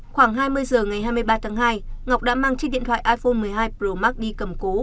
khoảng hai mươi h ngày hai mươi ba tháng hai ngọc đã mang chiếc điện thoại iphone một mươi hai pro max đi cầm cố